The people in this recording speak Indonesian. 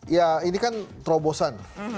ya ini kan terobosan